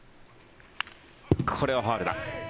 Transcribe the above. これはファウルだ。